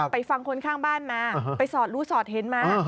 ฟังคนข้างบ้านมาไปสอดรู้สอดเห็นมา